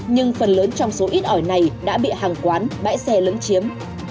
nhưng phần lớn trong số ít ỏi này đã bị hàng quán bãi xe lẫn chiếm